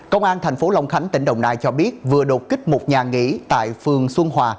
công an thành phố long khánh tỉnh đồng nai cho biết vừa đột kích một nhà nghỉ tại phường xuân hòa